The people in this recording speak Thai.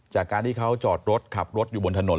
จากการที่เขาจอดรถขับรถอยู่บนถนน